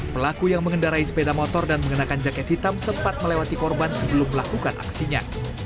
pelaku yang mengendarai sepeda motor dan mengenakan jaket hitam sempat melewati korban sebelum melakukan aksinya